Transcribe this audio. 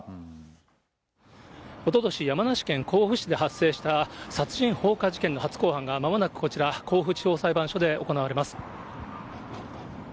おととし、山梨県甲府市で発生した殺人放火事件の初公判がまもなくこちら、甲府地方裁判所で行われます。